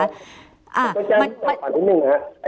ตั้งแต่ว่าส่วนปันที่๑เนนะ